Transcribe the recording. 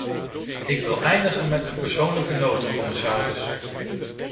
Ik wil eindigen met een persoonlijke noot, commissaris.